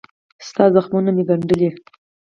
ستا زخمونه مې ګنډلي